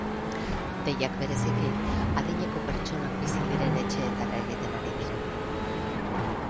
Deiak, bereziki, adineko pertsonak bizi diren etxeetara egiten ari dira.